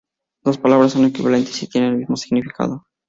Dos palabras son equivalentes si tienen el mismo significado.